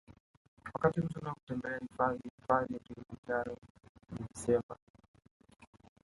Wakati mzuri wa kutembelea hifadhi hifadhi ya kilimanjaro ni desemba